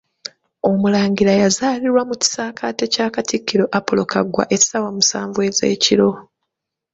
Omulangira yazaalirwa mu kisaakate kya Katikkiro Apolo Kaggwa essaawa musanvu ez'ekiro.